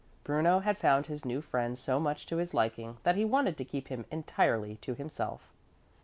Bruno had found his new friend so much to his liking that he wanted to keep him entirely to himself.